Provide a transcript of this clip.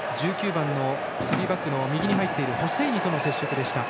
１９番のスリーバックの右に入っているホセイニとの接触でした。